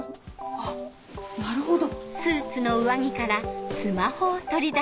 あっなるほど。